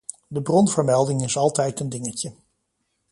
De bronvermelding is altijd een dingetje.